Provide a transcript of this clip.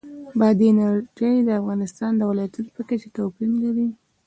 بادي انرژي د افغانستان د ولایاتو په کچه توپیر لري.